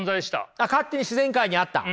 勝手に自然界にあった。